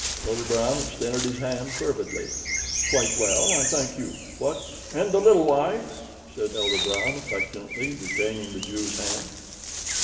Elder Brown extended his hand fervidly. "Quite well, I thank you. What—" "And the little wife?" said Elder Brown, affectionately retaining the Jew's hand.